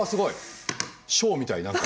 ショーみたい何か。